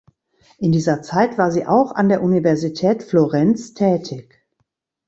In dieser Zeit war sie auch an der Universität Florenz tätig.